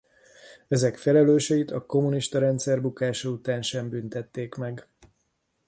Ezek felelőseit a kommunista rendszer bukása után sem büntették meg.